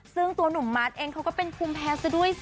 ซึ่งตัวหนุ่มมาร์ทเองเขาก็เป็นภูมิแพ้ซะด้วย